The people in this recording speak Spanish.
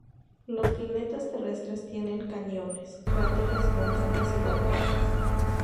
Los planetas terrestres tienen cañones, cráteres, montañas y volcanes.